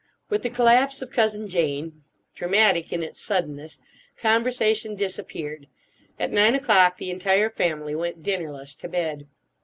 With the collapse of Cousin Jane, dramatic in its suddenness, conversation disappeared. At nine o'clock the entire family went dinnerless to bed.